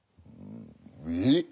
えっ？